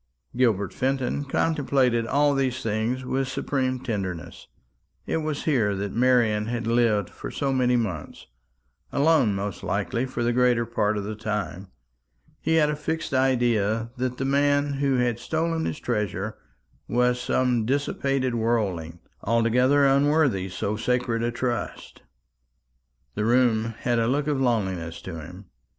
Gilbert Fenton contemplated all these things with supreme tenderness. It was here that Marian had lived for so many months alone most likely for the greater part of the time. He had a fixed idea that the man who had stolen his treasure was some dissipated worldling, altogether unworthy so sacred a trust. The room had a look of loneliness to him.